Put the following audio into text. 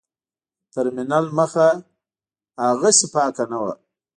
د ټرمینل مخه هاغسې پاکه نه وه.